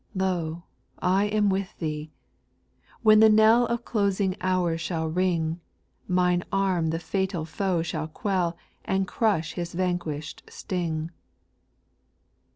5. " Lo 1 I am with thee," when the knell Of closing hours shall ring ; Mine arm the fatal foe shall quell. And crush his vanquished sting.